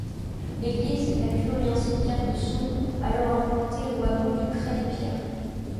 L'église, la cure et un cimetière de sont alors implantés au hameau du Crêt-des-Pierres.